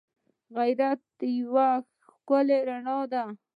غیرت یوه ښکلی رڼا ده